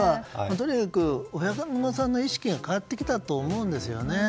とにかく親御さんの意識が変わってきたと思うんですよね。